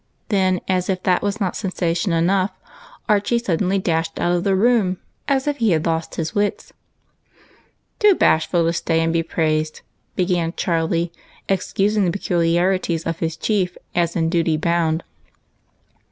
Then, as if that was not sensation enough, Archie suddenly dashed out of the room as if he had lost his wits. " Too bashful to stay and be praised," began Charlie, excusing the peculiarities of his chief as in duty bound.